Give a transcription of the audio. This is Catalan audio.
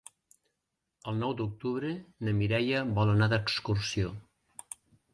El nou d'octubre na Mireia vol anar d'excursió.